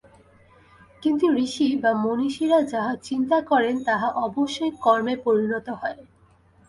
কিন্তু ঋষি বা মনীষীরা যাহা চিন্তা করেন, তাহা অবশ্যই কর্মে পরিণত হয়।